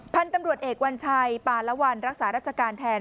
พันธุ์ตำรวจเอกวัญชัยปาลวันรักษาราชการแทน